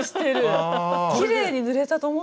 きれいに塗れたと思ったのに？